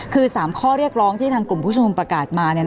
คือ๓ข้อเรียกร้องที่ทางกลุ่มผู้ชมนุมประกาศมา